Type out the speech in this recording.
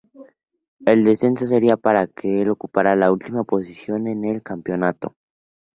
El descenso sería para el que ocupara la última posición en el campeonato.